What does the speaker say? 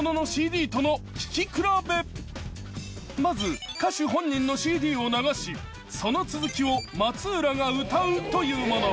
まず歌手本人のＣＤを流しその続きを松浦が歌うというもの。